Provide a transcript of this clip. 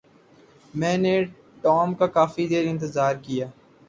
میں نے ٹام کا کافی دیر انتظار کیا۔